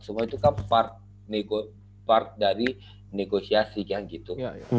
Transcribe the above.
semua itu kan part dari negosiasi kan gitu